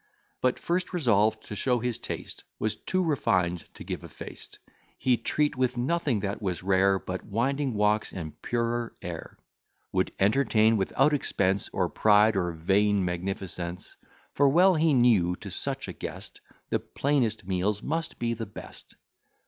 But first, resolved to show his taste, Was too refined to give a feast; He'd treat with nothing that was rare, But winding walks and purer air; Would entertain without expense, Or pride or vain magnificence: For well he knew, to such a guest The plainest meals must be the best.